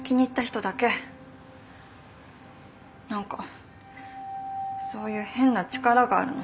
何かそういう変な力があるの。